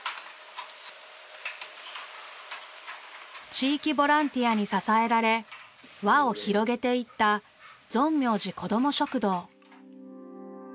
地域ボランティアに支えられ輪を広げていったぞんみょうじこども食堂。